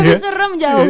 lebih serem jauh